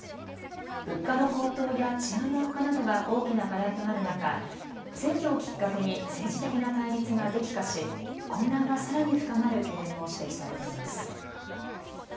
物価の高騰や治安の悪化などが大きな課題となる中、選挙をきっかけに政治的な対立が激化し混乱がさらに深まる懸念も指摘されています。